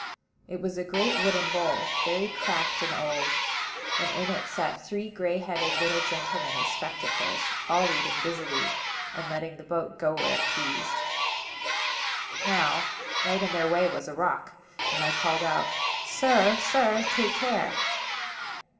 It was a great wooden bowl, very cracked and old; and in it sat three gray headed little gentlemen with spectacles, all reading busily, and letting the boat go where it pleased. Now, right in their way was a rock; and I called out, "Sir, sir, take care."